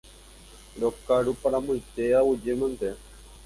Rokaruparamoite, aguyjemante.